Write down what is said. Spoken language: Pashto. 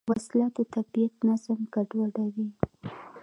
وسله د طبیعت نظم ګډوډوي